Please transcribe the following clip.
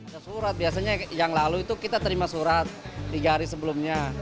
sesurat biasanya yang lalu itu kita terima surat tiga hari sebelumnya